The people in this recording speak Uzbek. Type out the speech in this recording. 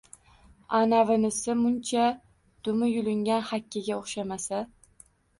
Аnavinisi muncha dumi yulingan hakkaga oʼxshamasa?